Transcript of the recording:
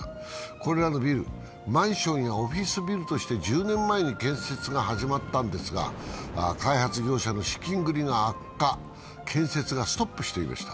これらのビル、マンションやオフィスビルとして１０年前に建設が始まったんですが開発業者の資金繰りが悪化、建設がストップしていました。